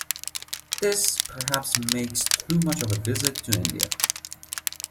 This perhaps makes too much of a visit to India.